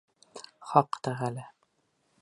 Хаҡ Тәғәлә!